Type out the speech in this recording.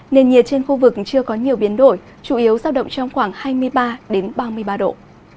nền nhiệt trên khu vực chưa có nhiều biến đổi chủ yếu giao động trong khoảng hai mươi ba ba mươi ba độ